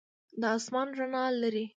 دا آسمان رڼا لري.